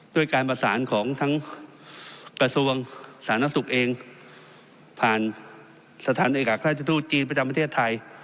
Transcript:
ด้วยการประสานของทั้งกระทรวงสาธารณสุขเองผ่านสถานเอกราชทูตจีนประจำประเทศไทย